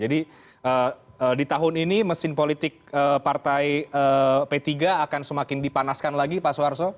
di tahun ini mesin politik partai p tiga akan semakin dipanaskan lagi pak suharto